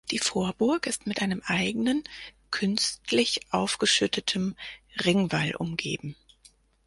Die Vorburg ist mit einem eigenen, künstlich aufgeschütteten Ringwall umgeben.